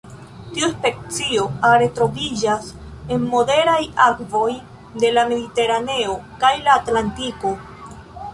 Tiu specio are troviĝas en moderaj akvoj de la Mediteraneo kaj la Atlantiko.